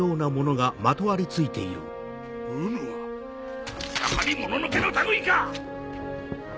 ⁉うぬはやはりもののけの類いか！